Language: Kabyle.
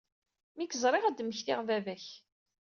Mi k-ẓriɣ ad d-mmektiɣ baba-k.